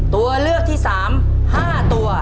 ตัวเลือกที่๓๕ตัว